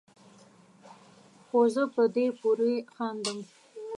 خو زه په دوی پورې خاندم